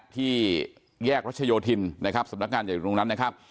ที่แยกรัชโยธินนะครับสำนักงานใหญ่อยู่ตรงนั้นนะครับ